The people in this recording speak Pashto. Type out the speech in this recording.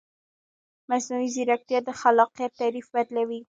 مصنوعي ځیرکتیا د خلاقیت تعریف بدلوي.